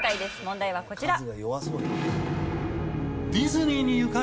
問題はこちら。